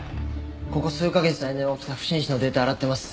ここ数カ月の間に起きた不審死のデータ洗ってます。